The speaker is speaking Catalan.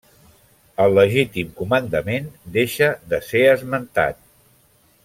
El Legítim Comandament deixa de ser esmentat.